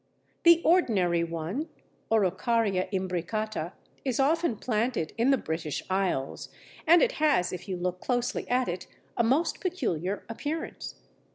The ordinary one (Araucaria imbricata) is often planted in the British Isles, and it has, if you look closely at it, a most peculiar appearance.